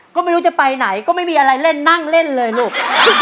ก็ไม่รู้จะไปไหนก็ไม่มีอะไรเล่นนั่งเล่นเลยลูก